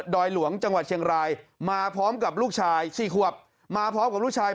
อยหลวงจังหวัดเชียงรายมาพร้อมกับลูกชายสี่ขวบมาพร้อมกับลูกชาย